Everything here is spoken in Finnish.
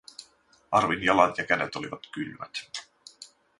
Arvin jalat ja kädet olivat kylmät.